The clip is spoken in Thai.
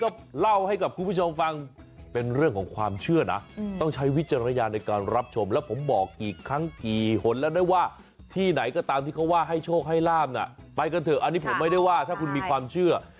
ไปกันเถอะอันนี้ผมไม่ได้ว่าถ้าคุณมีความเชื่อ